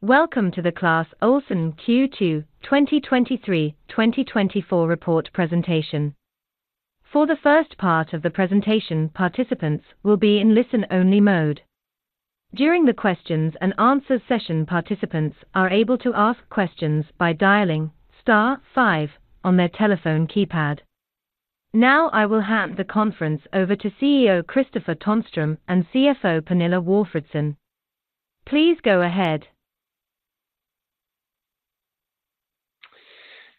Welcome to the Clas Ohlson Q2 2023/2024 Report Presentation. For the first part of the presentation, participants will be in listen-only mode. During the questions and answers session, participants are able to ask questions by dialing star five on their telephone keypad. Now, I will hand the conference over to CEO Kristofer Tonström and CFO Pernilla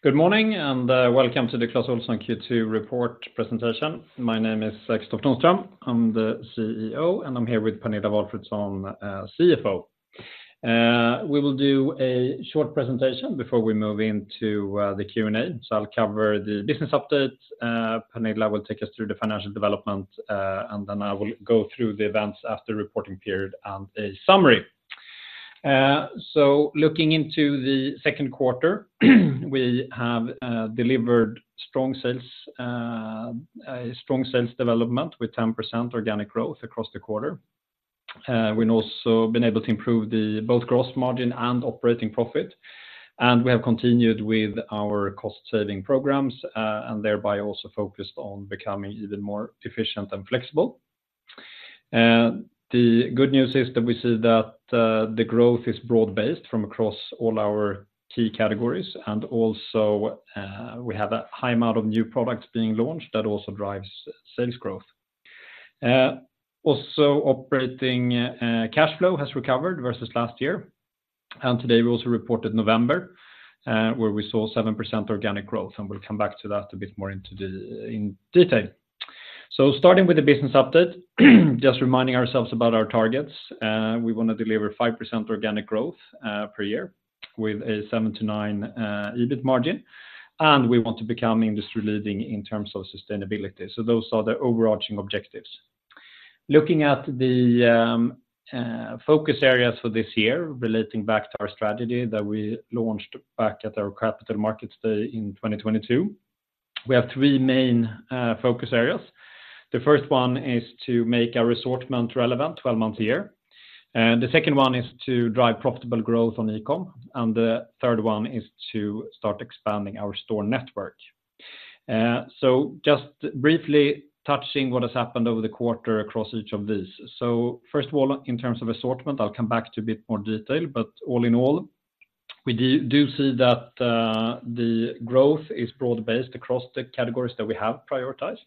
Walfridsson. Please go ahead. Good morning, and welcome to the Clas Ohlson Q2 Report Presentation. My name is Kristofer Tonström, I'm the CEO, and I'm here with Pernilla Walfridsson, CFO. We will do a short presentation before we move into the Q&A. So I'll cover the business updates, Pernilla will take us through the financial development, and then I will go through the events after reporting period and a summary. So looking into Q2, we have delivered strong sales, strong sales development with 10% organic growth across the quarter. We've also been able to improve the both gross margin and operating profit, and we have continued with our cost-saving programs, and thereby also focused on becoming even more efficient and flexible. The good news is that we see that, the growth is broad-based from across all our key categories, and also, we have a high amount of new products being launched that also drives sales growth. Also operating cash flow has recovered versus last year, and today we also reported November, where we saw 7% organic growth, and we'll come back to that a bit more in detail. So starting with the business update, just reminding ourselves about our targets. We wanna deliver 5% organic growth, per year, with a 7%-9% EBIT margin, and we want to become industry-leading in terms of sustainability. So those are the overarching objectives. Looking at focus areas for this year, relating back to our strategy that we launched back at our Capital Markets Day in 2022, we have three main focus areas. The first one is to make our assortment relevant 12 months a year, and the second one is to drive profitable growth on e-com, and the third one is to start expanding our store network. So just briefly touching what has happened over the quarter across each of these. So first of all, in terms of assortment, I'll come back to a bit more detail, but all in all, we do see that the growth is broad-based across the categories that we have prioritized.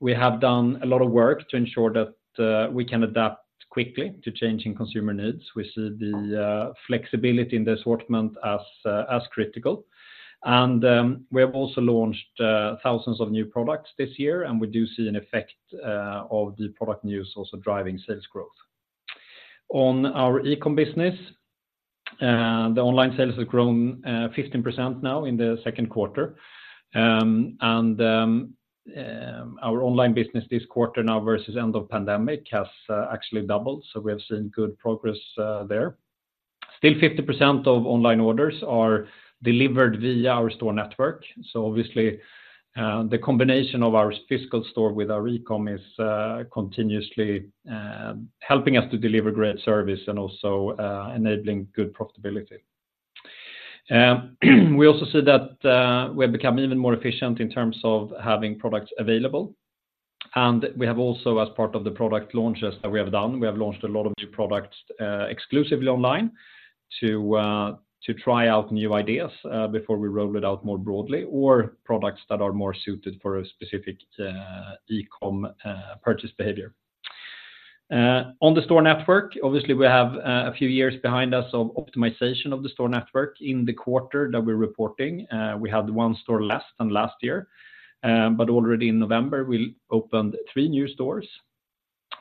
We have done a lot of work to ensure that we can adapt quickly to changing consumer needs. We see the flexibility in the assortment as critical. We have also launched thousands of new products this year, and we do see an effect of the product news also driving sales growth. On our e-com business, the online sales have grown 15% now in Q2. Our online business this quarter now versus end of pandemic has actually doubled, so we have seen good progress there. Still, 50% of online orders are delivered via our store network, so obviously the combination of our physical store with our e-com is continuously helping us to deliver great service and also enabling good profitability. We also see that we have become even more efficient in terms of having products available, and we have also, as part of the product launches that we have done, we have launched a lot of new products exclusively online to try out new ideas before we roll it out more broadly, or products that are more suited for a specific e-com purchase behavior. On the store network, obviously, we have a few years behind us of optimization of the store network. In the quarter that we're reporting, we had 1 store less than last year, but already in November, we opened three new stores,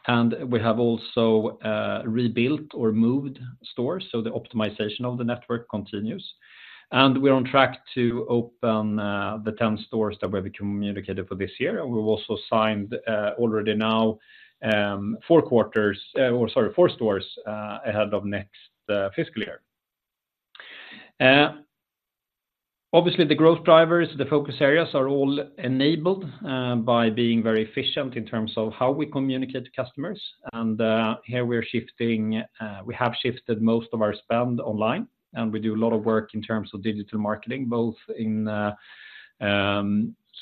and we have also rebuilt or moved stores, so the optimization of the network continues. We're on track to open the 10 stores that we communicated for this year. And we've also signed already now four quarters or sorry four stores ahead of next fiscal year. Obviously, the growth drivers, the focus areas are all enabled by being very efficient in terms of how we communicate to customers, and here we're shifting... We have shifted most of our spend online, and we do a lot of work in terms of digital marketing, both in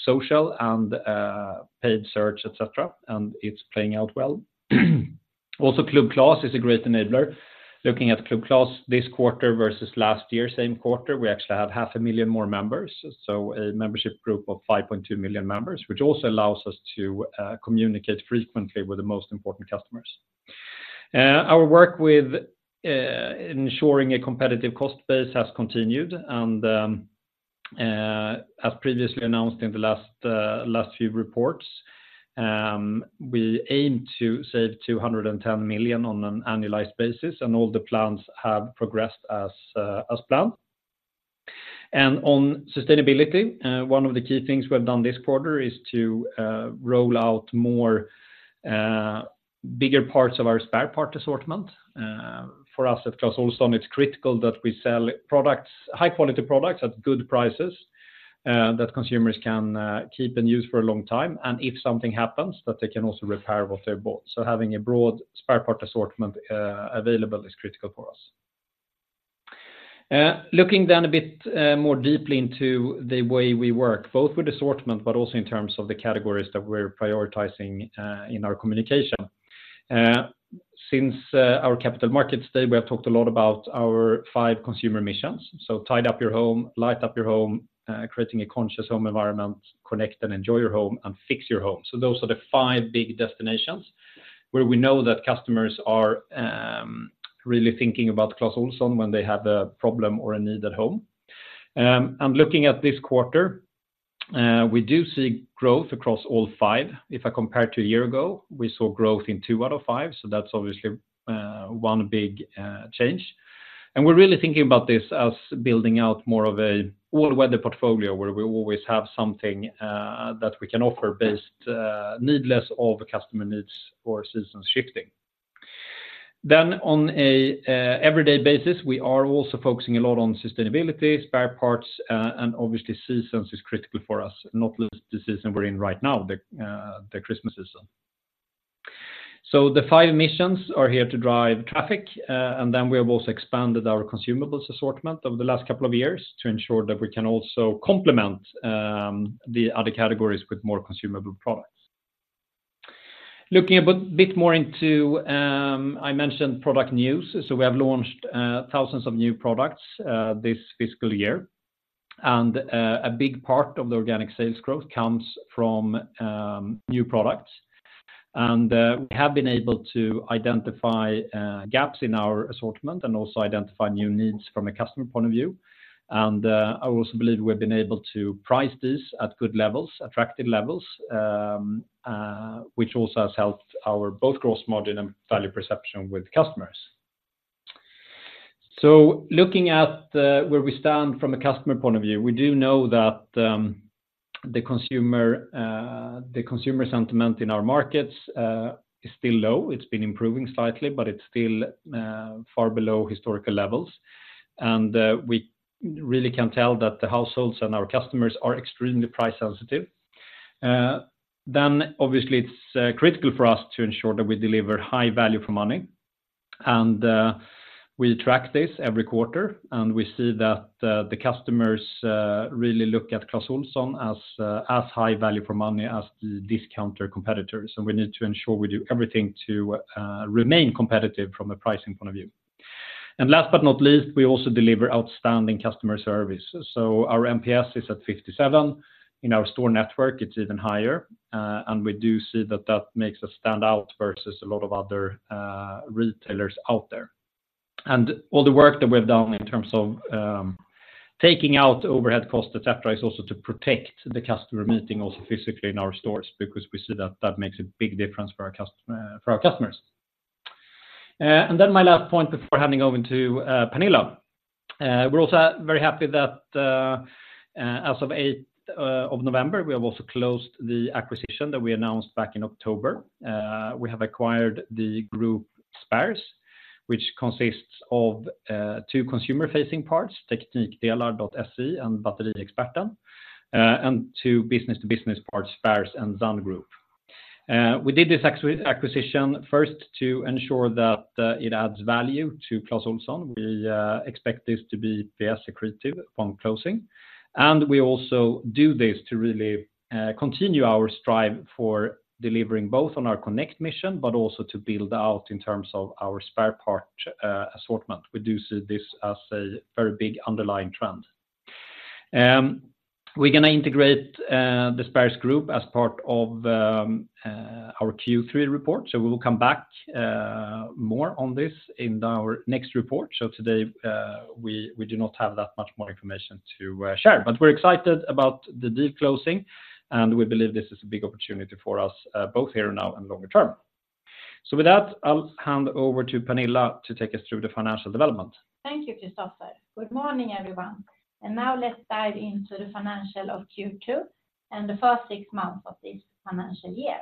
social and paid search, et cetera, and it's playing out well. Also, Club Clas is a great enabler. Looking at Club Clas this quarter versus last year, same quarter, we actually have half a million more members, so a membership group of 5.2 million members, which also allows us to communicate frequently with the most important customers. Our work with ensuring a competitive cost base has continued, and as previously announced in the last few reports, we aim to save 210 million on an annualized basis, and all the plans have progressed as planned. And on sustainability, one of the key things we've done this quarter is to roll out more bigger parts of our spare parts assortment. For us at Clas Ohlson, it's critical that we sell products, high-quality products at good prices, that consumers can keep and use for a long time, and if something happens, that they can also repair what they've bought. So having a broad spare part assortment available is critical for us. Looking then a bit more deeply into the way we work, both with assortment, but also in terms of the categories that we're prioritizing in our communication. Since our Capital Markets Day, we have talked a lot about our five consumer missions. So tidy up your home, light up your home, creating a conscious home environment, connect and enjoy your home, and fix your home. So those are the five big destinations where we know that customers are really thinking about Clas Ohlson when they have a problem or a need at home. And looking at this quarter, we do see growth across all five. If I compare to a year ago, we saw growth in two out of five, so that's obviously one big change. We're really thinking about this as building out more of an all-weather portfolio, where we always have something that we can offer based needless of customer needs or seasons shifting. Then on an everyday basis, we are also focusing a lot on sustainability, spare parts, and obviously, seasons is critical for us, not least the season we're in right now, the Christmas season. So the five missions are here to drive traffic, and then we have also expanded our consumables assortment over the last couple of years to ensure that we can also complement the other categories with more consumable products. Looking a bit more into, I mentioned product news, so we have launched thousands of new products this fiscal year. And a big part of the organic sales growth comes from new products. We have been able to identify gaps in our assortment and also identify new needs from a customer point of view. I also believe we've been able to price this at good levels, attractive levels, which also has helped our both gross margin and value perception with customers. Looking at where we stand from a customer point of view, we do know that the consumer sentiment in our markets is still low. It's been improving slightly, but it's still far below historical levels. We really can tell that the households and our customers are extremely price sensitive. Then obviously, it's critical for us to ensure that we deliver high value for money, and we track this every quarter, and we see that the customers really look at Clas Ohlson as high value for money as the discounter competitors. We need to ensure we do everything to remain competitive from a pricing point of view. Last but not least, we also deliver outstanding customer service. Our NPS is at 57. In our store network, it's even higher, and we do see that that makes us stand out versus a lot of other retailers out there. And all the work that we've done in terms of taking out overhead costs, et cetera, is also to protect the customer meeting, also physically in our stores, because we see that that makes a big difference for our customers. And then my last point before handing over to Pernilla. We're also very happy that as of 8 November, we have also closed the acquisition that we announced back in October. We have acquired the group Spares, which consists of two consumer-facing parts, Teknikdelar.se and Batteriexperten, and two business-to-business parts, Spares and Zand Group. We did this acquisition first to ensure that it adds value to Clas Ohlson. We expect this to be EPS accretive upon closing, and we also do this to really continue our strive for delivering both on our connect mission, but also to build out in terms of our spare part assortment. We do see this as a very big underlying trend. We're gonna integrate the Spares Group as part of our Q3 report, so we will come back more on this in our next report. So today, we do not have that much more information to share. But we're excited about the deal closing, and we believe this is a big opportunity for us both here now and longer term. So with that, I'll hand over to Pernilla to take us through the financial development. Thank you, Kristofer. Good morning, everyone. Now let's dive into the financials of Q2 and the first six months of this financial year.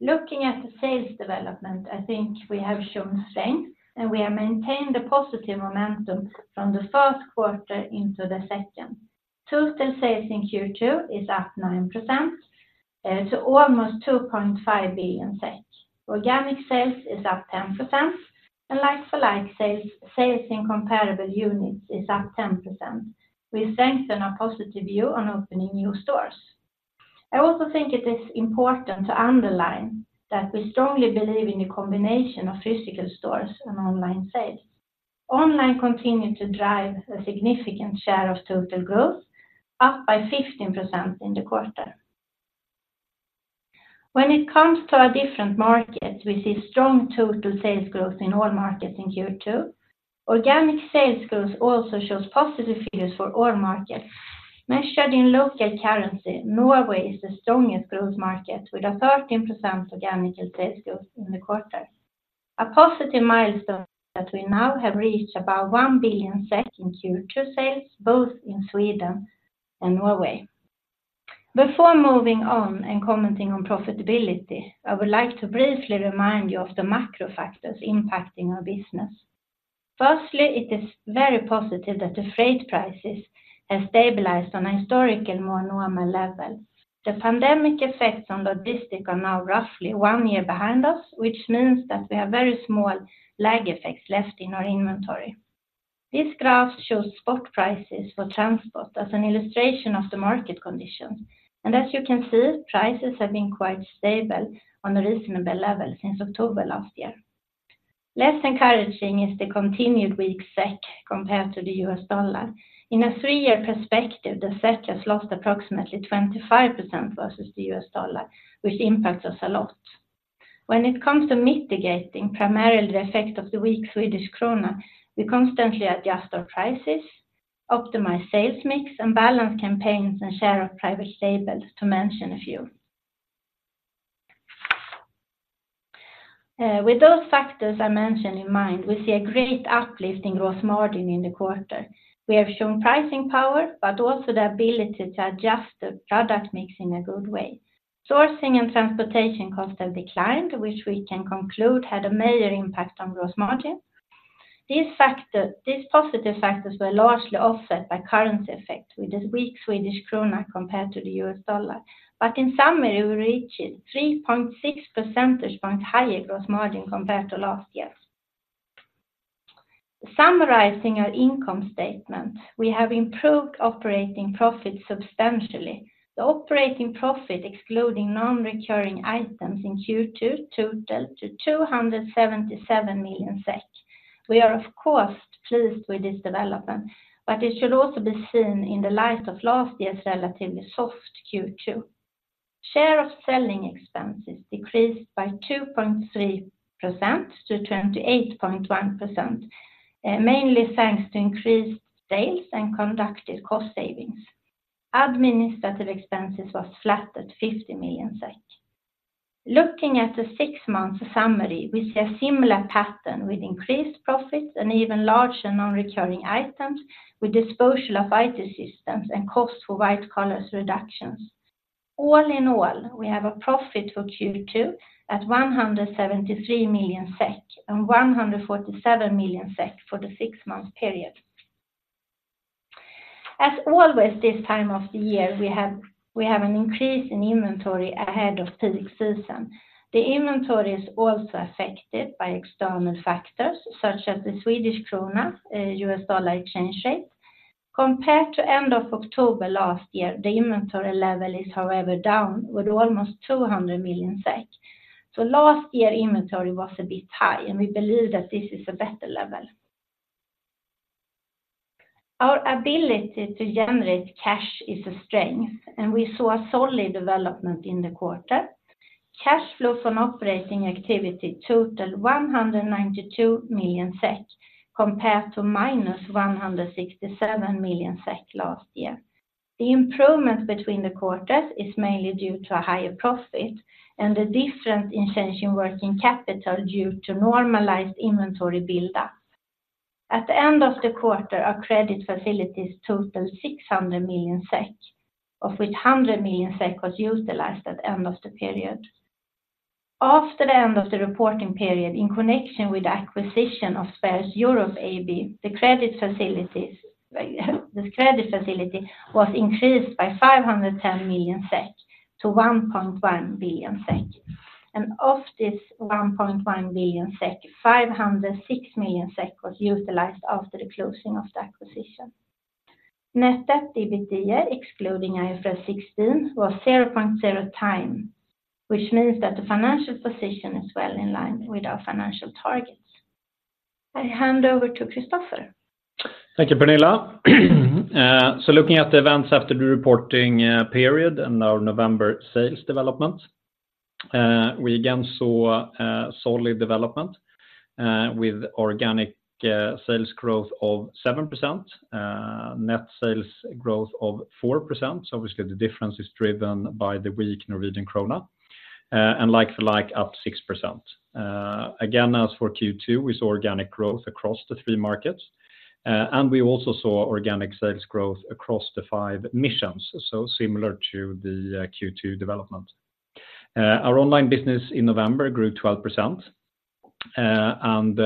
Looking at the sales development, I think we have shown strength, and we have maintained the positive momentum from the first quarter into the second. Total sales in Q2 is up 9% to almost 2.5 billion SEK. Organic sales is up 10%, and like-for-like sales, sales in comparable units is up 10%. We strengthen our positive view on opening new stores. I also think it is important to underline that we strongly believe in the combination of physical stores and online sales. Online continued to drive a significant share of total growth, up by 15% in the quarter. When it comes to our different markets, we see strong total sales growth in all markets in Q2. Organic sales growth also shows positive figures for all markets. Measured in local currency, Norway is the strongest growth market, with a 13% organic sales growth in the quarter. A positive milestone that we now have reached about 1 billion in Q2 sales, both in Sweden and Norway. Before moving on and commenting on profitability, I would like to briefly remind you of the macro factors impacting our business. Firstly, it is very positive that the freight prices have stabilized on a historical, more normal level. The pandemic effects on logistics are now roughly one year behind us, which means that we have very small lag effects left in our inventory. This graph shows spot prices for transport as an illustration of the market condition. As you can see, prices have been quite stable on a reasonable level since October last year. Less encouraging is the continued weak SEK compared to the U.S. dollar. In a three-year perspective, the SEK has lost approximately 25% versus the U.S. dollar, which impacts us a lot. When it comes to mitigating primarily the effect of the weak Swedish krona, we constantly adjust our prices, optimize sales mix, and balance campaigns and share of private labels, to mention a few. With those factors I mentioned in mind, we see a great uplift in gross margin in the quarter. We have shown pricing power, but also the ability to adjust the product mix in a good way. Sourcing and transportation costs have declined, which we can conclude had a major impact on gross margin. These positive factors were largely offset by currency effects with the weak Swedish krona compared to the U.S. dollar. In summary, we reached 3.6 percentage points higher gross margin compared to last year. Summarizing our income statement, we have improved operating profit substantially. The operating profit, excluding non-recurring items in Q2, totaled to 277 million SEK. We are, of course, pleased with this development, but it should also be seen in the light of last year's relatively soft Q2. Share of selling expenses decreased by 2.3% to 28.1%, mainly thanks to increased sales and conducted cost savings. Administrative expenses was flat at 50 million SEK. Looking at the six months summary, we see a similar pattern with increased profits and even larger non-recurring items, with disposal of IT systems and costs for white collars reductions. All in all, we have a profit for Q2 at 173 and 147 million for the six-month period. As always, this time of the year, we have an increase in inventory ahead of peak season. The inventory is also affected by external factors, such as the Swedish krona, US dollar exchange rate. Compared to end of October last year, the inventory level is however, down, with almost 200 million. So last year, inventory was a bit high, and we believe that this is a better level. Our ability to generate cash is a strength, and we saw a solid development in the quarter. Cash flow from operating activity totaled 192 compared to -167 million last year. The improvement between the quarters is mainly due to a higher profit and a different in working capital due to normalized inventory buildup. At the end of the quarter, our credit facilities totaled 600 million SEK, of which 100 million was utilized at the end of the period. After the end of the reporting period, in connection with the acquisition of Spares Europe AB, the credit facility was increased by 510 million to 1.1 billion. Of this 1.1 billion SEK, 506 million SEK was utilized after the closing of the acquisition. Net debt to EBITDA, excluding IFRS 16, was 0.0x, which means that the financial position is well in line with our financial targets. I hand over to Kristofer. Thank you, Pernilla. So looking at the events after the reporting period and our November sales development, we again saw a solid development, with organic sales growth of 7%, net sales growth of 4%. Obviously, the difference is driven by the weak Norwegian krona, and like-for-like up 6%. Again, as for Q2, we saw organic growth across the three markets, and we also saw organic sales growth across the five missions, so similar to Q2 development. Our online business in November grew 12%, and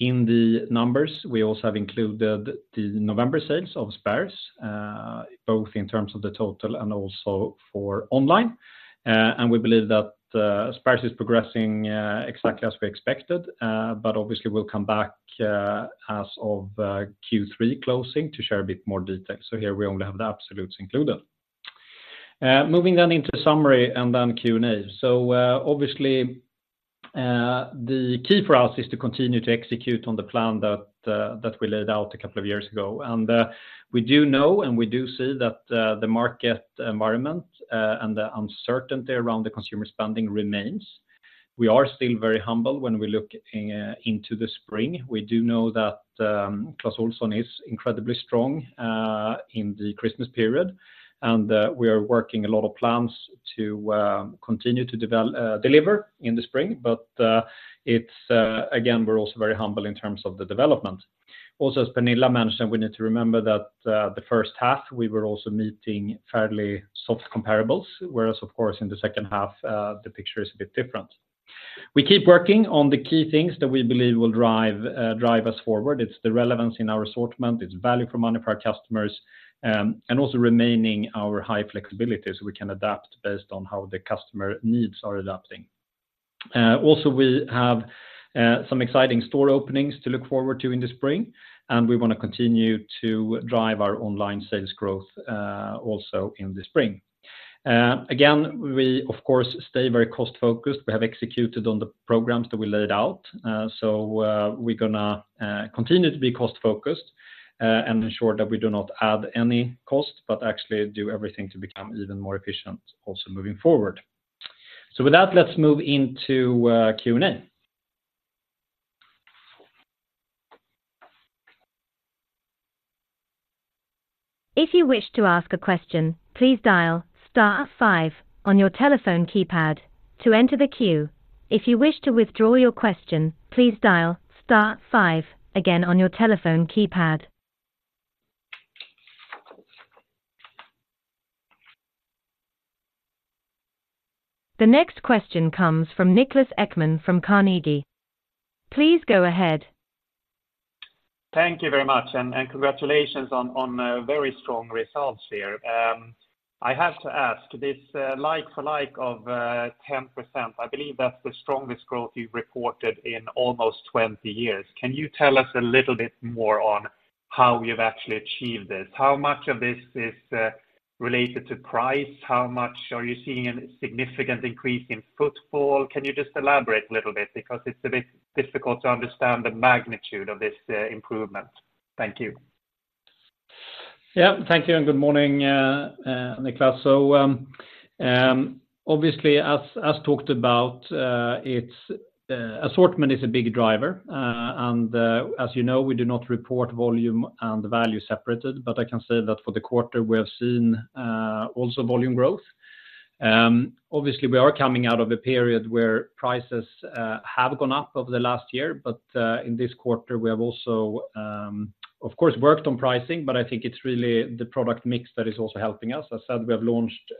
in the numbers, we also have included the November sales of Spares, both in terms of the total and also for online. And we believe that Spares is progressing exactly as we expected, but obviously, we'll come back as of Q3 closing to share a bit more detail. So here we only have the absolutes included. Moving on into summary and then Q&A. So, obviously, the key for us is to continue to execute on the plan that we laid out a couple of years ago. And, we do know, and we do see that the market environment and the uncertainty around the consumer spending remains. We are still very humble when we look into the spring. We do know that, Clas Ohlson is incredibly strong, in the Christmas period, and, we are working a lot of plans to, continue to deliver in the spring, but, it's, again, we're also very humble in terms of the development. Also, as Pernilla mentioned, we need to remember that, the first half, we were also meeting fairly soft comparables, whereas, of course, in the second half, the picture is a bit different. We keep working on the key things that we believe will drive us forward. It's the relevance in our assortment, it's value for money for our customers, and also remaining our high flexibility, so we can adapt based on how the customer needs are adapting. Also, we have some exciting store openings to look forward to in the spring, and we wanna continue to drive our online sales growth also in the spring. Again, we, of course, stay very cost-focused. We have executed on the programs that we laid out, so we're gonna continue to be cost-focused and ensure that we do not add any cost, but actually do everything to become even more efficient, also moving forward. So with that, let's move into Q&A. If you wish to ask a question, please dial star five on your telephone keypad to enter the queue. If you wish to withdraw your question, please dial star five again on your telephone keypad. The next question comes from Niklas Ekman from Carnegie. Please go ahead. Thank you very much, and congratulations on very strong results here. I have to ask, this like-for-like of 10%, I believe that's the strongest growth you've reported in almost 20 years. Can you tell us a little bit more on how you've actually achieved this? How much of this is related to price? How much are you seeing in significant increase in footfall? Can you just elaborate a little bit because it's a bit difficult to understand the magnitude of this improvement? Thank you. Yeah. Thank you, and good morning, Niklas. So, obviously, as talked about, its assortment is a big driver. And, as you know, we do not report volume and value separated, but I can say that for the quarter, we have seen also volume growth. Obviously, we are coming out of a period where prices have gone up over the last year, but, in this quarter, we have also, of course, worked on pricing, but I think it's really the product mix that is also helping us. As said, we have launched,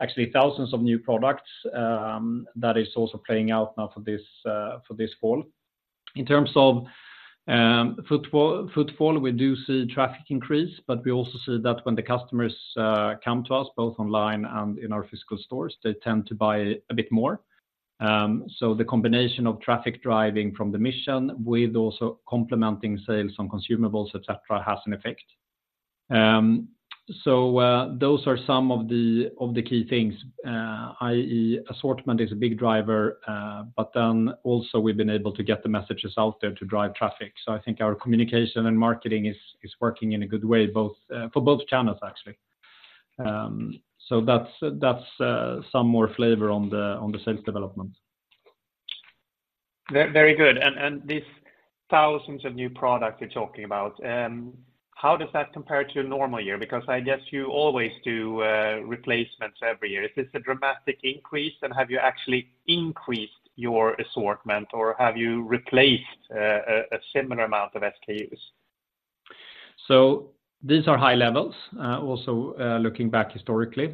actually thousands of new products, that is also playing out now for this, for this fall. In terms of footfall, we do see traffic increase, but we also see that when the customers come to us, both online and in our physical stores, they tend to buy a bit more. So the combination of traffic driving from the mission with also complementing sales on consumables, et cetera, has an effect. So those are some of the key things, i.e., assortment is a big driver, but then also we've been able to get the messages out there to drive traffic. So I think our communication and marketing is working in a good way, both for both channels, actually. So that's some more flavor on the sales development. Very good. And this thousands of new products you're talking about, how does that compare to a normal year? Because I guess you always do replacements every year. Is this a dramatic increase, and have you actually increased your assortment, or have you replaced a similar amount of SKUs? So these are high levels, also, looking back historically.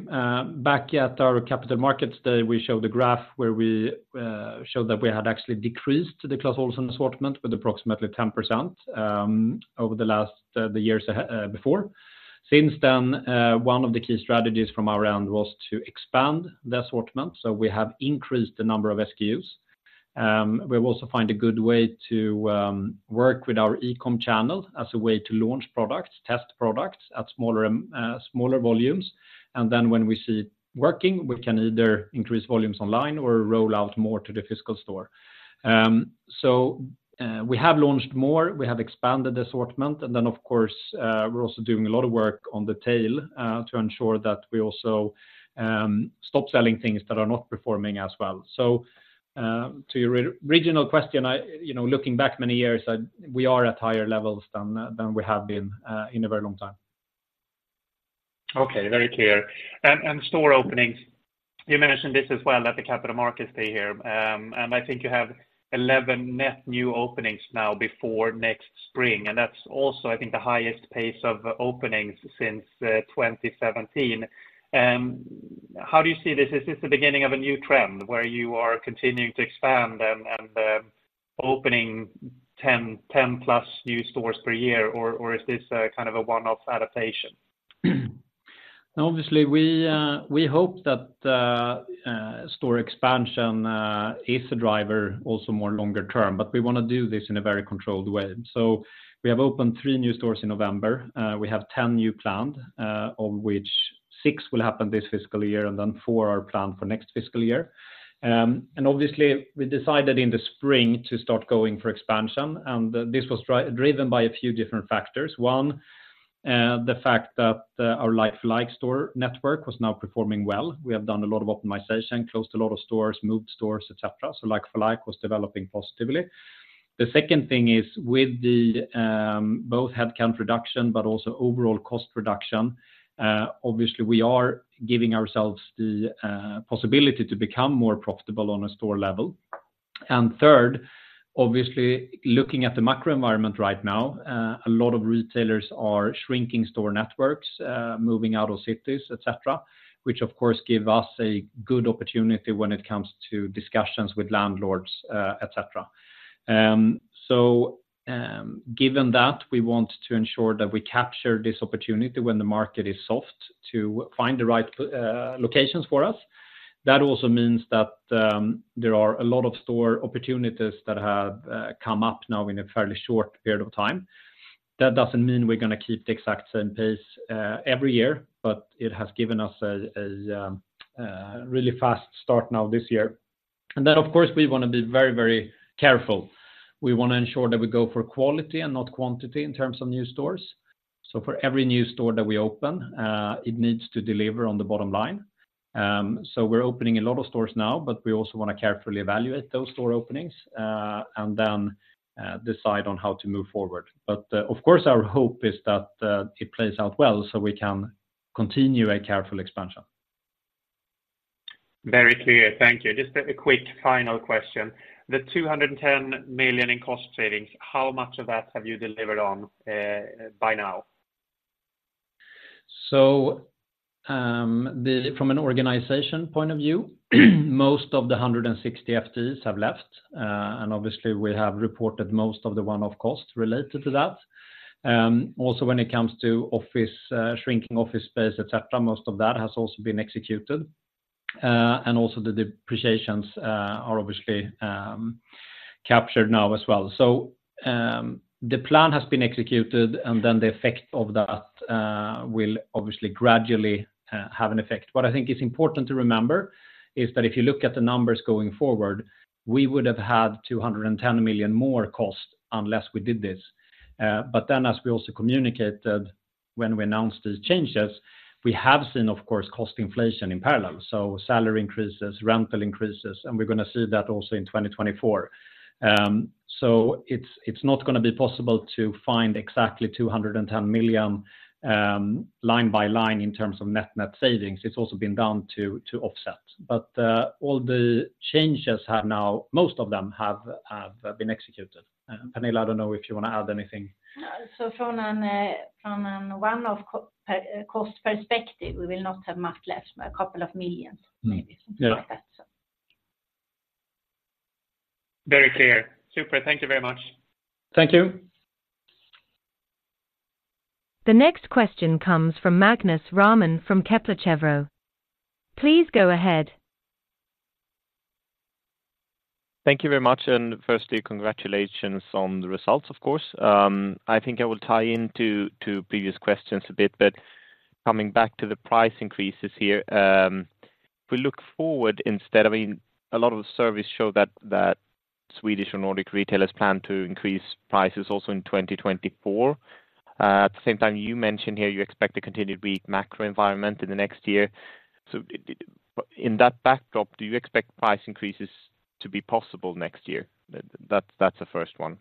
Back at our Capital Markets Day, we showed a graph where we showed that we had actually decreased the Clas Ohlson assortment with approximately 10%, over the last, the years, before. Since then, one of the key strategies from our end was to expand the assortment, so we have increased the number of SKUs. We've also found a good way to work with our e-com channel as a way to launch products, test products at smaller, smaller volumes, and then when we see it working, we can either increase volumes online or roll out more to the physical store. So, we have launched more, we have expanded the assortment, and then, of course, we're also doing a lot of work on the tail, to ensure that we also stop selling things that are not performing as well. So, to your original question, I, you know, looking back many years, we are at higher levels than than we have been, in a very long time. Okay, very clear. And store openings, you mentioned this as well at the Capital Markets Day here. And I think you have 11 net new openings now before next spring, and that's also, I think, the highest pace of openings since 2017. How do you see this? Is this the beginning of a new trend where you are continuing to expand and opening 10, 10+ new stores per year, or is this kind of a one-off adaptation? Obviously, we hope that store expansion is a driver, also more longer term, but we wanna do this in a very controlled way. So we have opened three new stores in November. We have 10 new planned, of which six will happen this fiscal year, and then four are planned for next fiscal year. And obviously, we decided in the spring to start going for expansion, and this was driven by a few different factors. One, the fact that our like-for-like store network was now performing well. We have done a lot of optimization, closed a lot of stores, moved stores, et cetera, so like-for-like was developing positively. The second thing is with the both headcount reduction, but also overall cost reduction, obviously, we are giving ourselves the possibility to become more profitable on a store level. And third, obviously, looking at the macro environment right now, a lot of retailers are shrinking store networks, moving out of cities, et cetera, which, of course, give us a good opportunity when it comes to discussions with landlords, et cetera. So, given that, we want to ensure that we capture this opportunity when the market is soft... to find the right places for us. That also means that there are a lot of store opportunities that have come up now in a fairly short period of time. That doesn't mean we're gonna keep the exact same pace every year, but it has given us a really fast start now this year. And then, of course, we wanna be very, very careful. We wanna ensure that we go for quality and not quantity in terms of new stores. So for every new store that we open, it needs to deliver on the bottom line. So we're opening a lot of stores now, but we also wanna carefully evaluate those store openings, and then decide on how to move forward. But, of course, our hope is that it plays out well so we can continue a careful expansion. Very clear. Thank you. Just a, a quick final question. The 210 million in cost savings, how much of that have you delivered on by now? So, from an organization point of view, most of the 160 FTEs have left, and obviously, we have reported most of the one-off costs related to that. Also, when it comes to office, shrinking office space, et cetera, most of that has also been executed. And also the depreciations are obviously captured now as well. So, the plan has been executed, and then the effect of that will obviously gradually have an effect. What I think is important to remember is that if you look at the numbers going forward, we would have had 210 million more cost unless we did this. But then as we also communicated when we announced these changes, we have seen, of course, cost inflation in parallel, so salary increases, rental increases, and we're gonna see that also in 2024. So it's, it's not gonna be possible to find exactly 210 million, line by line in terms of net-net savings. It's also been down to, to offset. But all the changes have now, most of them have, have been executed. And Pernilla, I don't know if you wanna add anything. So from an one-off cost perspective, we will not have much left, a couple of million SEK, maybe something like that, so. Yeah. Very clear. Super, thank you very much. Thank you. The next question comes from Magnus Råman from Kepler Cheuvreux. Please go ahead. Thank you very much, and firstly, congratulations on the results, of course. I think I will tie into to previous questions a bit, but coming back to the price increases here, if we look forward instead, I mean, a lot of the surveys show that Swedish and Nordic retailers plan to increase prices also in 2024. At the same time, you mentioned here you expect a continued weak macro environment in the next year. So in that backdrop, do you expect price increases to be possible next year? That's the first one.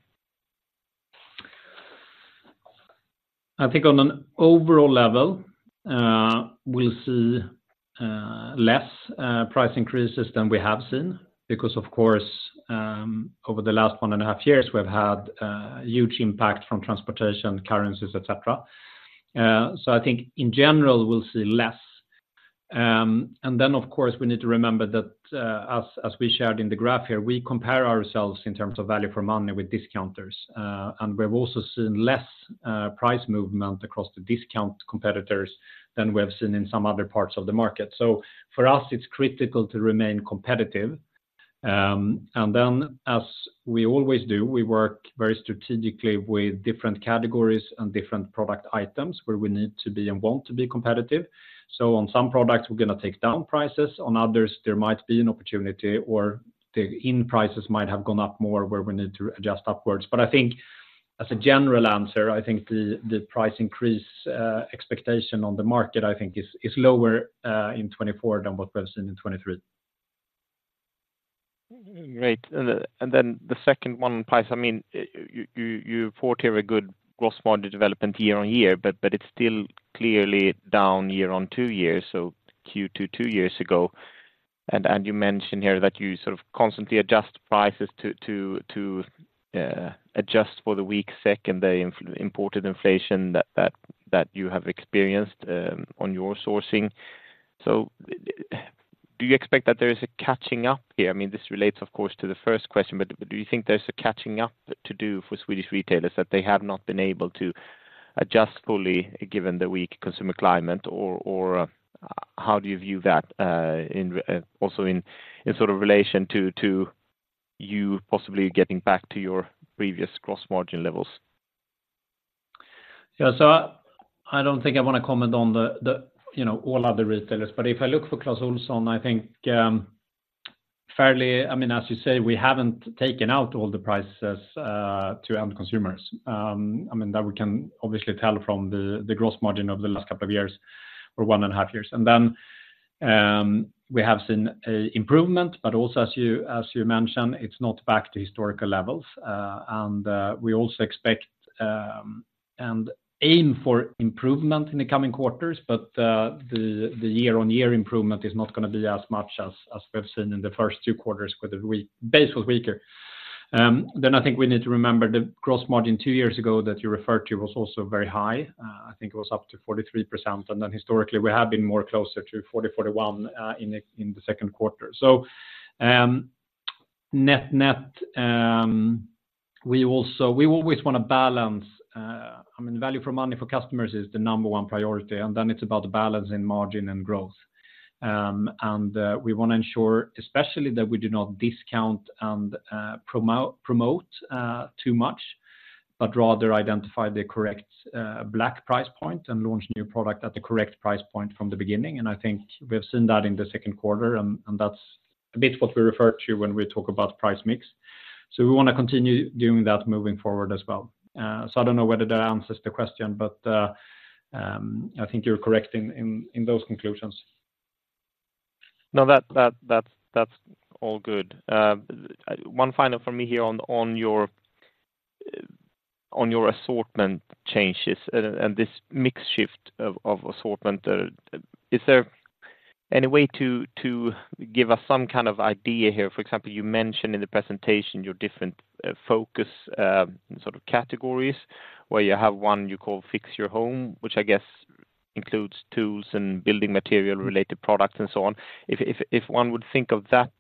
I think on an overall level, we'll see less price increases than we have seen because, of course, over the last one and a half years, we've had a huge impact from transportation, currencies, et cetera. So I think in general, we'll see less. And then, of course, we need to remember that as we shared in the graph here, we compare ourselves in terms of value for money with discounters, and we've also seen less price movement across the discount competitors than we have seen in some other parts of the market. So for us, it's critical to remain competitive. And then as we always do, we work very strategically with different categories and different product items where we need to be and want to be competitive. So on some products, we're gonna take down prices, on others, there might be an opportunity or the in prices might have gone up more where we need to adjust upwards. But I think as a general answer, I think the price increase expectation on the market, I think is lower in 2024 than what we've seen in 2023. Great. And then the second one, price, I mean, you report here a good gross margin development year-on-year, but it's still clearly down year-on-year two years, so Q2 two years ago. And you mentioned here that you sort of constantly adjust prices to adjust for the weak SEK, the imported inflation that you have experienced on your sourcing. So do you expect that there is a catching up here? I mean, this relates, of course, to the first question, but do you think there's a catching up to do for Swedish retailers, that they have not been able to adjust fully given the weak consumer climate, or how do you view that, also in sort of relation to you possibly getting back to your previous gross margin levels? Yeah. So I don't think I wanna comment on the, you know, all other retailers. But if I look for Clas Ohlson, I think fairly, I mean, as you say, we haven't taken out all the prices to end consumers. I mean, that we can obviously tell from the gross margin of the last couple of years or one and a half years. And then we have seen an improvement, but also, as you mentioned, it's not back to historical levels. And we also expect and aim for improvement in the coming quarters, but the year-on-year improvement is not gonna be as much as we've seen in the first two quarters, where the rebase was weaker. Then I think we need to remember the gross margin two years ago that you referred to was also very high. I think it was up to 43%, and then historically, we have been more closer to 40-41% in Q2. So, net-net, we always want to balance. I mean, value for money for customers is the number one priority, and then it's about the balance in margin and growth. And we want to ensure, especially that we do not discount and promote too much, but rather identify the correct right price point and launch new product at the correct price point from the beginning. And I think we have seen that in Q2, and that's a bit what we refer to when we talk about price mix. So we want to continue doing that moving forward as well. So I don't know whether that answers the question, but I think you're correct in those conclusions. No, that's all good. One final for me here on your assortment changes and this mix shift of assortment. Is there any way to give us some kind of idea here? For example, you mentioned in the presentation your different focus sort of categories, where you have one you call Fix Your Home, which I guess includes tools and building material related products, and so on. If one would think of that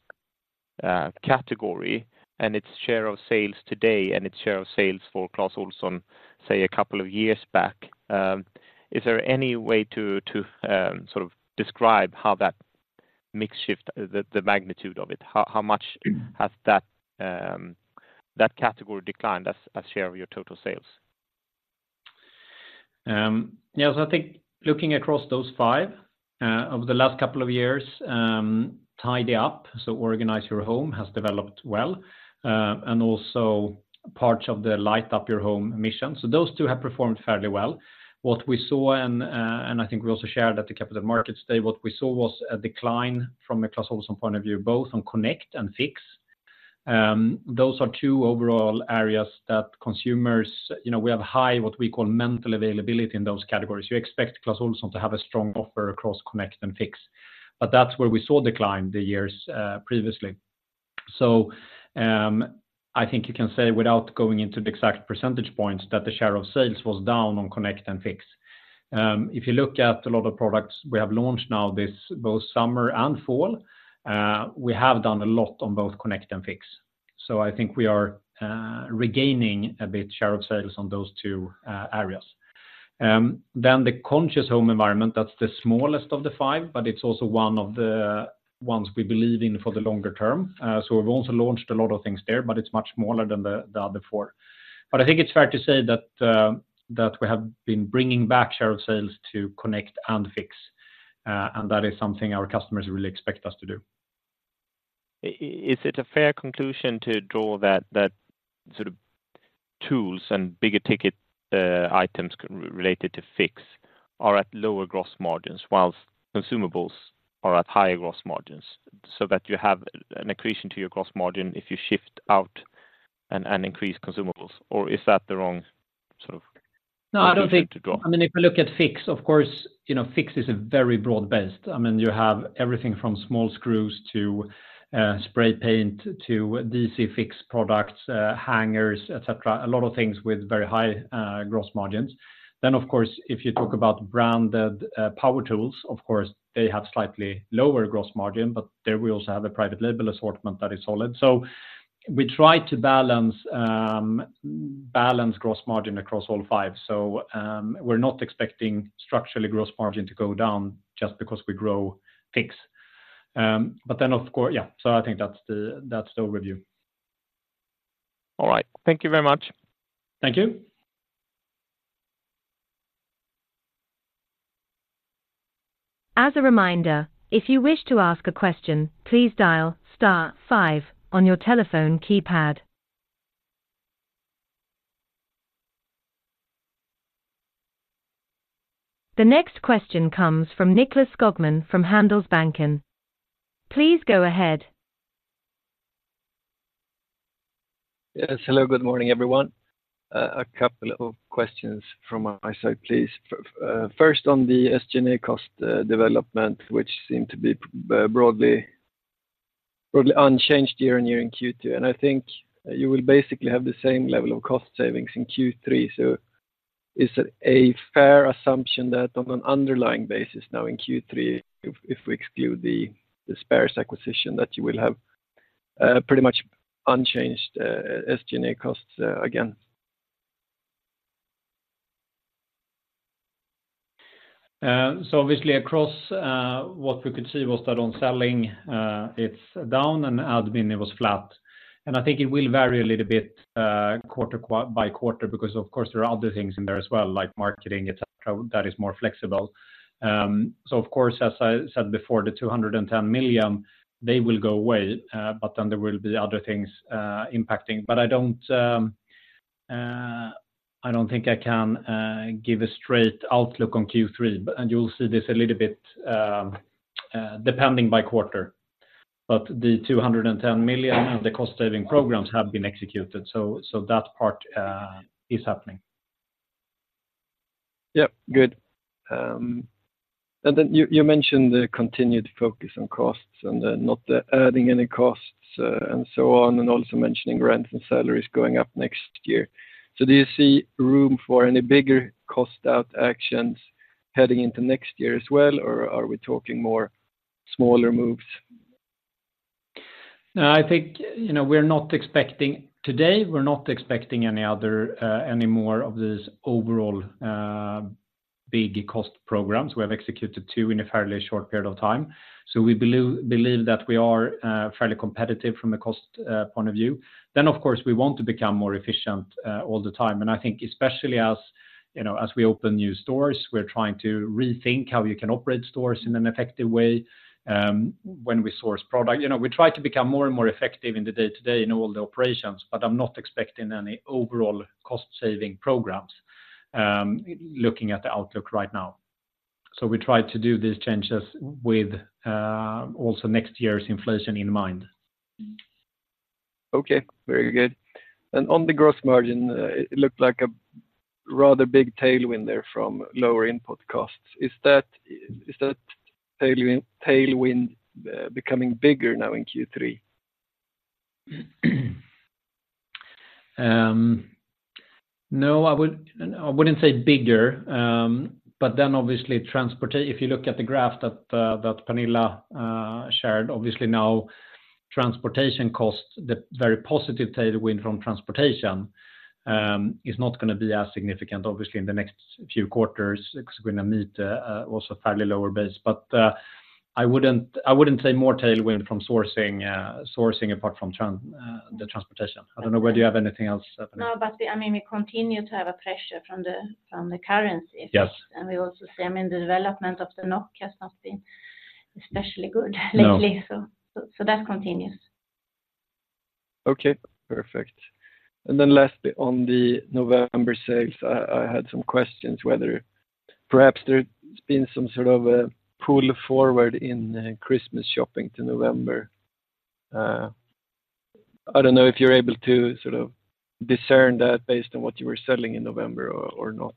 category and its share of sales today and its share of sales for Clas Ohlson, say, a couple of years back, is there any way to sort of describe how that mix shift, the magnitude of it? How much has that category declined as share of your total sales? Yes, I think looking across those five over the last couple of years, Tidy Up, so Organize Your Home, has developed well, and also parts of the Light Up Your Home mission. So those two have performed fairly well. What we saw and I think we also shared at the Capital Markets Day, what we saw was a decline from a Clas Ohlson point of view, both on Connect and Fix. Those are two overall areas that consumers... You know, we have high, what we call mental availability in those categories. You expect Clas Ohlson to have a strong offer across Connect and Fix, but that's where we saw decline the years previously. So, I think you can say, without going into the exact percentage points, that the share of sales was down on Connect and Fix. If you look at a lot of products we have launched now, this both summer and fall, we have done a lot on both Connect and Fix, so I think we are, regaining a bit share of sales on those two, areas. Then the Conscious Home Environment, that's the smallest of the five, but it's also one of the ones we believe in for the longer term. So we've also launched a lot of things there, but it's much smaller than the other four. But I think it's fair to say that, that we have been bringing back share of sales to Connect and Fix, and that is something our customers really expect us to do. Is it a fair conclusion to draw that that sort of tools and bigger ticket items related to Fix are at lower gross margins, while consumables are at higher gross margins, so that you have an accretion to your gross margin if you shift out and increase consumables, or is that the wrong sort of? No, I don't think- To draw. I mean, if you look at Fix, of course, you know, Fix is a very broad-based. I mean, you have everything from small screws to spray paint, to d-c-fix products, hangers, et cetera. A lot of things with very high gross margins. Then, of course, if you talk about branded power tools, of course, they have slightly lower gross margin, but there we also have a private label assortment that is solid. So we try to balance balance gross margin across all five. So, we're not expecting structurally gross margin to go down just because we grow Fix. But then, of course... Yeah, so I think that's the, that's the overview. All right. Thank you very much. Thank you. As a reminder, if you wish to ask a question, please dial star five on your telephone keypad. The next question comes from Nicklas Skogman from Handelsbanken. Please go ahead. Yes, hello, good morning, everyone. A couple of questions from my side, please. First on the SG&A cost development, which seemed to be broadly unchanged year and year in Q2, and I think you will basically have the same level of cost savings in Q3. So is it a fair assumption that on an underlying basis now in Q3, if we exclude the Spares acquisition, that you will have pretty much unchanged SG&A costs again? So obviously across what we could see was that on selling, it's down and admin, it was flat. I think it will vary a little bit, by quarter, because of course, there are other things in there as well, like marketing, et cetera, that is more flexible. So of course, as I said before, the 210 million, they will go away, but then there will be other things impacting. But I don't, I don't think I can give a straight outlook on Q3, but and you'll see this a little bit, depending by quarter. But the 210 million, the cost saving programs have been executed, so, so that part is happening. Yeah, good. And then you, you mentioned the continued focus on costs and then not adding any costs, and so on, and also mentioning rent and salaries going up next year. So do you see room for any bigger cost out actions heading into next year as well, or are we talking more smaller moves? No, I think, you know, we're not expecting, today, we're not expecting any other, any more of these overall, big cost programs. We have executed two in a fairly short period of time, so we believe that we are, fairly competitive from a cost, point of view. Then, of course, we want to become more efficient, all the time. And I think especially as, you know, as we open new stores, we're trying to rethink how you can operate stores in an effective way, when we source product. You know, we try to become more and more effective in the day-to-day in all the operations, but I'm not expecting any overall cost-saving programs, looking at the outlook right now. So we try to do these changes with, also next year's inflation in mind. Okay. Very good. And on the gross margin, it looked like a rather big tailwind there from lower input costs. Is that tailwind becoming bigger now in Q3? No, I wouldn't say bigger. But then obviously, transportation, if you look at the graph that Pernilla shared, obviously now transportation costs, the very positive tailwind from transportation, is not gonna be as significant, obviously, in the next few quarters. It's gonna meet also fairly lower base. But I wouldn't say more tailwind from sourcing, apart from the transportation. I don't know whether you have anything else, Pernilla? No, but, I mean, we continue to have a pressure from the currency effects. Yes. We also see, I mean, the development of the NOK has not been especially good lately- No... so that continues. Okay, perfect. And then lastly, on the November sales, I had some questions whether perhaps there's been some sort of a pull forward in Christmas shopping to November. I don't know if you're able to sort of discern that based on what you were selling in November or not.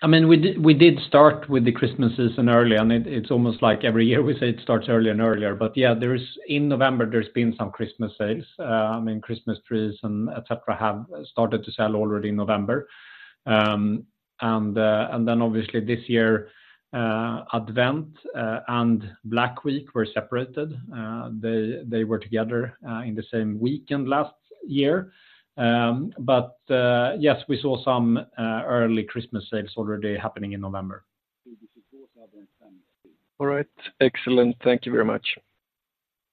I mean, we did, we did start with the Christmas season early, and it, it's almost like every year we say it starts earlier and earlier. But yeah, there is, in November, there's been some Christmas sales. I mean, Christmas trees and et cetera, have started to sell already in November. And, and then obviously this year, Advent, and Black Week were separated. They, they were together, in the same weekend last year. But, yes, we saw some early Christmas sales already happening in November. All right. Excellent. Thank you very much.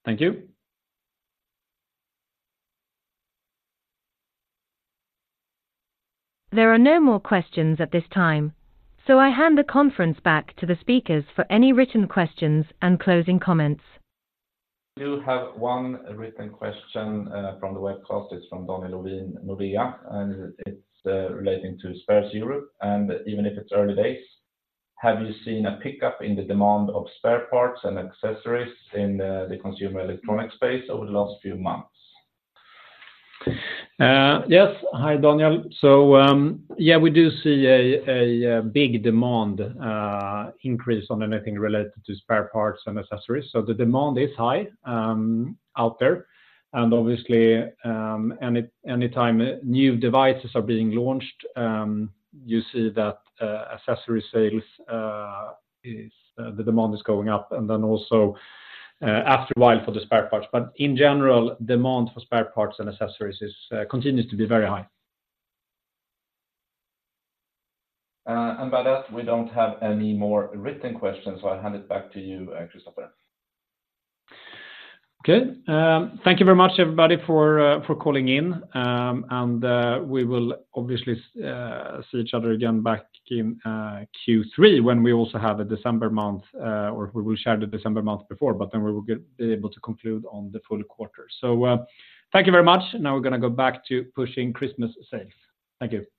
Thank you. There are no more questions at this time, so I hand the conference back to the speakers for any written questions and closing comments. We do have one written question from the webcast. It's from Daniel Ovin, Nordea, and it's relating to Spares Europe. And even if it's early days, have you seen a pickup in the demand of spare parts and accessories in the consumer electronics space over the last few months? Yes. Hi, Daniel. So, yeah, we do see a big demand increase on anything related to spare parts and accessories. So the demand is high out there, and obviously, anytime new devices are being launched, you see that accessory sales, the demand is going up, and then also, after a while, for the spare parts. But in general, demand for spare parts and accessories continues to be very high. By that, we don't have any more written questions, so I'll hand it back to you, Kristofer. Okay. Thank you very much, everybody, for calling in. And we will obviously see each other again back in Q3, when we also have a December month, or we will share the December month before, but then we will be able to conclude on the full quarter. So, thank you very much. Now we're gonna go back to pushing Christmas sales. Thank you.